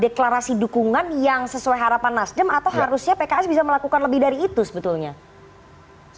deklarasi dukungan yang sesuai harapan nasdem atau harusnya pks bisa melakukan lebih dari itu sebetulnya